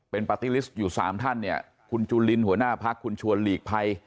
เป็นปาร์ติลิสต์อยู่๓ท่านคุณจูลินหัวหน้าภักดิ์คุณชวนหลีกภัย